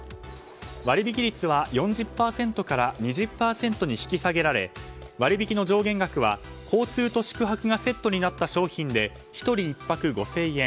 割引率は４０％から２０％に引き下げられ割引の上限額は交通と宿泊がセットになった商品で１人、１泊５０００円。